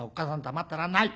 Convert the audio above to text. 黙ってられない！